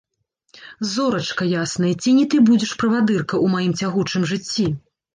Зорачка ясная, ці не ты будзеш правадырка ў маім цягучым жыцці?